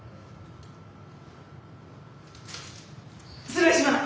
失礼します！